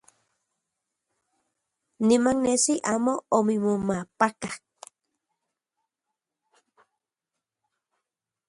Niman nesi amo omimomajpakak.